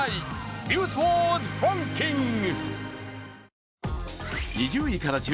「ニュースワードランキング」。